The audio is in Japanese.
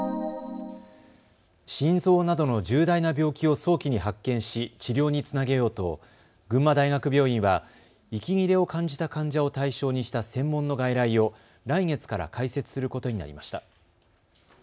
心臓などの重大な病気を早期に発見し治療につなげようと群馬大学病院は息切れを感じた患者を対象にした専門の外来を来月から開設することになりました。